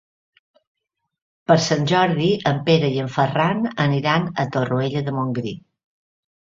Per Sant Jordi en Pere i en Ferran aniran a Torroella de Montgrí.